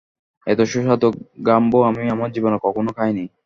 এত সুস্বাদু গাম্বো আমি আমার জীবনে কখনো খাইনি!